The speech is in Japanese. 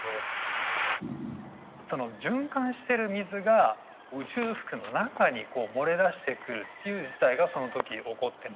循環してる水が宇宙服の中に漏れ出してくるっていう事態がその時起こってます。